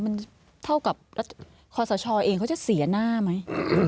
มันเท่ากับคอสชเองเขาจะเสียหน้าไหม